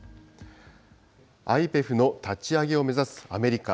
ＩＰＥＦの立ち上げを目指すアメリカ。